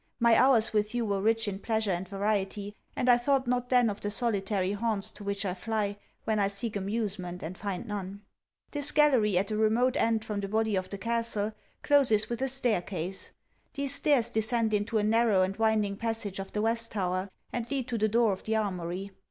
My hours with you were rich in pleasure and variety; and I thought not then of the solitary haunts to which I fly, when I seek amusement and find none. This gallery, at the remote end from the body of the castle, closes with a stair case. These stairs descend into a narrow and winding passage of the West Tower, and lead to the door of the Armoury.